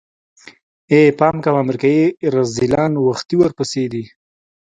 ای پام کوه امريکايي رذيلان وختي ورپسې دي.